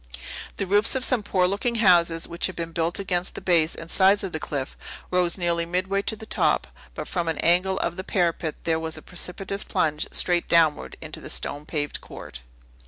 The roofs of some poor looking houses, which had been built against the base and sides of the cliff, rose nearly midway to the top; but from an angle of the parapet there was a precipitous plunge straight downward into a stonepaved court.